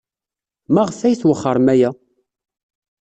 Maɣef ay twexxrem aya?